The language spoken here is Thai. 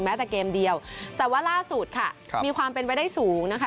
แต่เกมเดียวแต่ว่าล่าสุดค่ะมีความเป็นไปได้สูงนะคะ